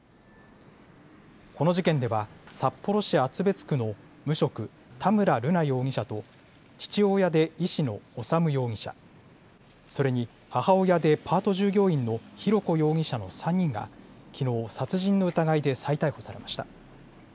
この事件では、札幌市厚別区の無職、田村瑠奈容疑者と、父親で医師の修容疑者、それに、母親でパート従業員の浩子容疑者の３人が、きのう、殺人の疑いで再逮捕されました。